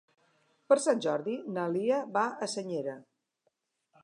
Per Sant Jordi na Lia va a Senyera.